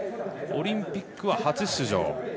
オリンピックは初出場。